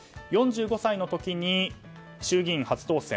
４５歳の時に衆議院初当選。